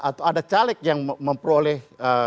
atau ada caleg yang memperoleh